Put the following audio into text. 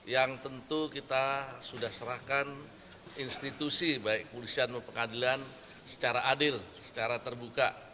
yang tentu kita sudah serahkan institusi baik polisian maupun pengadilan secara adil secara terbuka